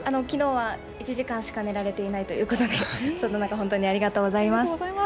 きのうは１時間しか寝られていないということで、そんな中本当にありがとうございます。